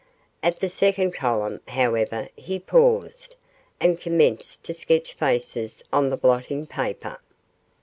At the second column, however, he paused, and commenced to sketch faces on the blotting paper.